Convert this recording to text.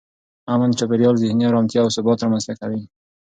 امن چاپېریال ذهني ارامتیا او ثبات رامنځته کوي.